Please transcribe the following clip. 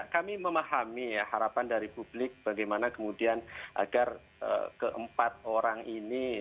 kami memahami ya harapan dari publik bagaimana kemudian agar keempat orang ini